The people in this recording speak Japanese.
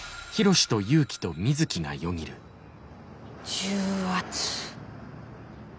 重圧。